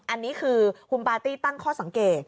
อันนี้คือคุณปาร์ตี้ตั้งข้อสังเกต